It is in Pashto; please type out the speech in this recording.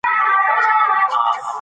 کتاب په ټولګي کې ولوستل شو.